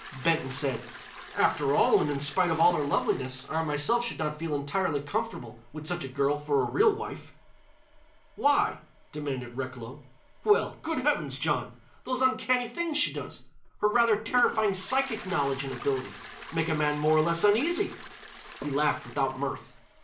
Benton said: "After all, and in spite of all her loveliness, I myself should not feel entirely comfortable with such a girl for a real wife." "Why?" demanded Recklow. "Well—good heavens, John!—those uncanny things she does—her rather terrifying psychic knowledge and ability—make a man more or less uneasy." He laughed without mirth.